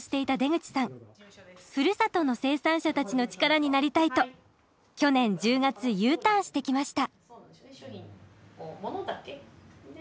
ふるさとの生産者たちの力になりたいと去年１０月Ｕターンしてきました。